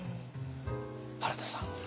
原田さん。